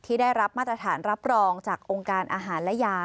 ได้รับมาตรฐานรับรองจากองค์การอาหารและยา